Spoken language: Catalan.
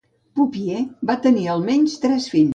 Pupiè va tenir almenys tres fills.